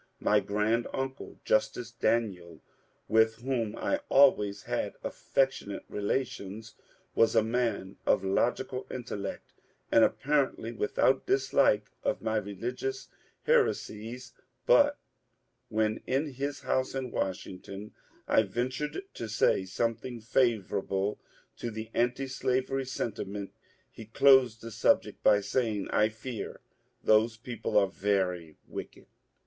My grand uncle Justice Daniel, with whom I always had affectionate relations, was a man of logical intellect, and apparently without dislike of my religious heresies ; but when in his house in Washington I ventured to say something favourable to the antislavery senti ment he closed the subject by saying, ^^ I fear those people are very wicked."